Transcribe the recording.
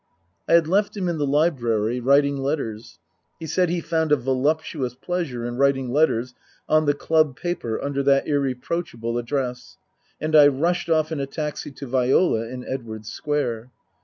I had left him in the library writing letters (he said he found a voluptuous pleasure in writing letters on the club paper under that irreproachable address), and I rushed off in a taxi to Viola in Edwardes Square.